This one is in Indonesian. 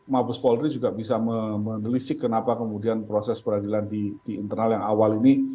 mabes polri juga bisa menelisik kenapa kemudian proses peradilan di internal yang awal ini